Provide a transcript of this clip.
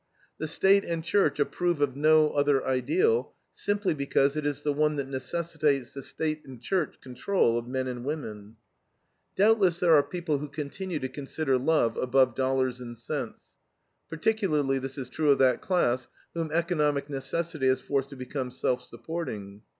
The State and Church approve of no other ideal, simply because it is the one that necessitates the State and Church control of men and women. Doubtless there are people who continue to consider love above dollars and cents. Particularly this is true of that class whom economic necessity has forced to become self supporting.